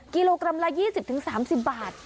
กิโลกรัมละ๒๐๓๐บาท